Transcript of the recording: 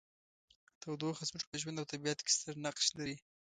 تودوخه زموږ په ژوند او طبیعت کې ستر نقش لري.